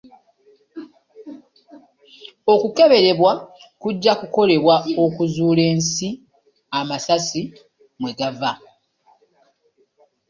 Okukeberebwa kujja kukolebwa okuzuula ensi amasasi mwe gava.